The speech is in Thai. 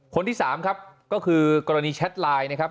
คนที่๓ครับก็คือกรณีแชทไลน์นะครับ